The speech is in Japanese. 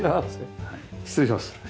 失礼します。